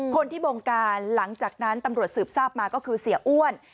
คนที่บงการหลังจากนั้นตำรวจสืบทราบมาก็คือเสียอ้วน